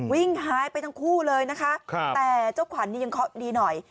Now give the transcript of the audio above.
วิ่งหายไปทั้งคู่เลยนะคะแต่เจ้าขวัญนี่ยังเคาะดีหน่อย